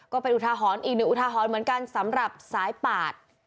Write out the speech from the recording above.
ก็เป็นอุทาฮร์นอีกนึงอุทาฮร์นเหมือนกันสำหรับซ้ายปาก